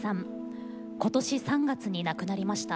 今年３月に亡くなりました。